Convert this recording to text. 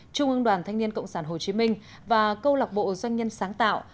trung ương đoàn thanh niên cộng sản hồ chí minh và câu lạc bộ doanh nhân sáng tạo